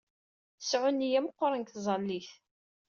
Sɛu nneyya meqqren deg ṭẓallit.